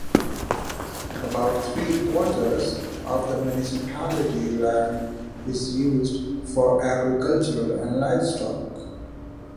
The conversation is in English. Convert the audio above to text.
About three-quarters of the municipality's land is used for agriculture and livestock.